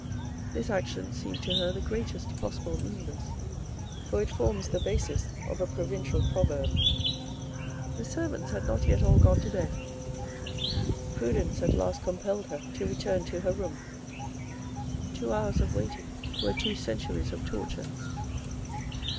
This action seemed to her the greatest possible meanness, for it forms the basis of a provincial proverb. The servants had not yet all gone to bed. Prudence at last compelled her to return to her room. Two hours of waiting were two centuries of torture.